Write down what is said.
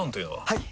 はい！